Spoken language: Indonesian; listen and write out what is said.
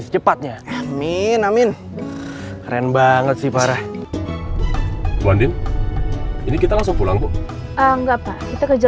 secepatnya amin amin keren banget sih parah banding ini kita langsung pulang bu kita ke